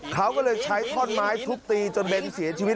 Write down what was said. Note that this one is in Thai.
เขาก็เลยใช้ท่อนไม้ทุบตีจนเบ้นเสียชีวิต